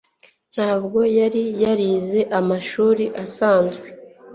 Ntabwo yari yarize amashuri asanzwe